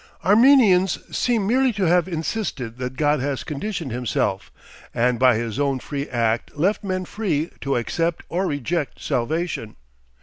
Arminians seem merely to have insisted that God has conditioned himself, and by his own free act left men free to accept or reject salvation.